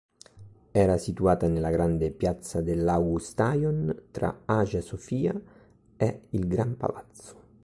Era situata nella grande piazza dell'Augustaion, tra Hagia Sophia e il Gran Palazzo.